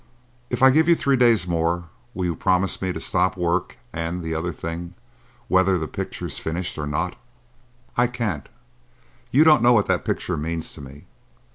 "If I give you three days more will you promise me to stop work and—the other thing, whether the picture's finished or not?" "I can't. You don't know what that picture means to me.